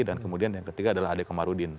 dan kemudian yang ketiga adalah ade komarudin